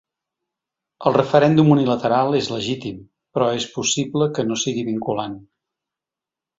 El referèndum unilateral és legítim, però és possible que no sigui vinculant.